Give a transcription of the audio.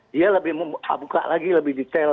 dia lebih membuka lagi lebih detail